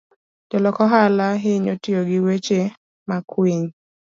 Jolok ohala hinyo tiyo gi weche makwiny.